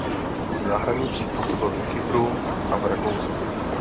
V zahraničí působil na Kypru a v Rakousku.